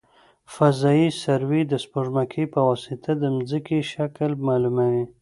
فضايي سروې د سپوږمکۍ په واسطه د ځمکې شکل معلوموي